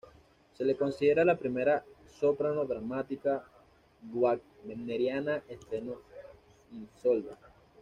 Se la considera la primera soprano dramática wagneriana, estrenó Isolda.